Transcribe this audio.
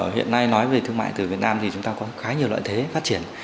hiện nay nói về thương mại từ việt nam thì chúng ta có khá nhiều lợi thế phát triển